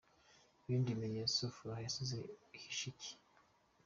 Ibindi bimenyetso Furaha yasize bihishe iki?